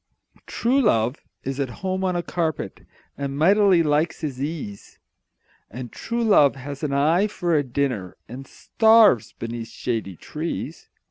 True love is at home on a carpet, And mightily likes his ease And true love has an eye for a dinner, And starves beneath shady trees.